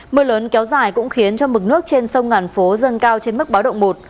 mưa lớn kéo dài cũng khiến cho mực nước trên sông ngàn phố dâng cao trên mức báo động một